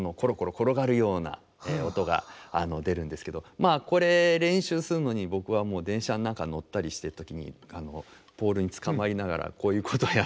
まあこれ練習するのに僕は電車の中乗ったりしてる時にポールにつかまりながらこういうことをやってましたね。